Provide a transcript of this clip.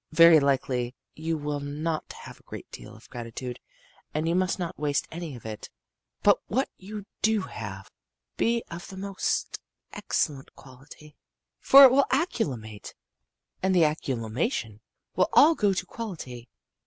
Very likely you will not have a great deal of gratitude, and you must not waste any of it but what you do have will be of the most excellent quality. For it will accumulate, and the accumulation will all go to quality.